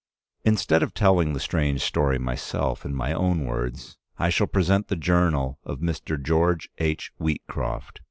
Instead of telling the strange story myself in my own words, I shall present the Journal of Mr. George H. Wheatcroft.